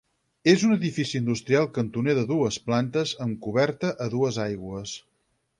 És un edifici industrial cantoner de dues plantes, amb coberta a dues aigües.